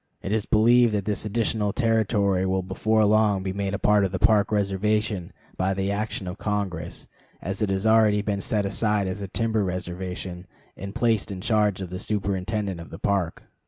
It is believed that this additional territory will before long be made a part of the Park reservation by the action of Congress, as it has already been set aside as a timber reservation and placed in charge of the superintendent of the Park.